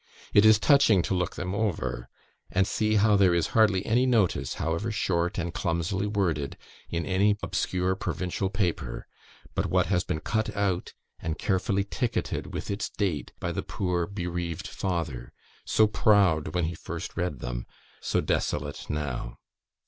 It is touching to look them over, and see how there is hardly any notice, however short and clumsily worded, in any obscure provincial paper, but what has been cut out and carefully ticketed with its date by the poor, bereaved father, so proud when he first read them so desolate now.